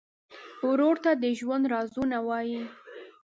ورور ته د ژوند رازونه وایې.